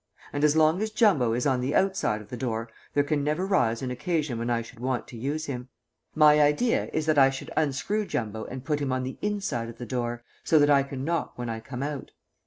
And as long as Jumbo is on the outside of the door there can never rise an occasion when I should want to use him. My idea is that I should unscrew Jumbo and put him on the inside of the door, so that I can knock when I come out.